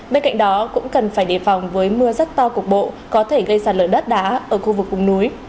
bên cạnh đó cũng cần phải đề phòng với mưa rất to cục bộ có thể gây sạt lở đất đá ở khu vực vùng núi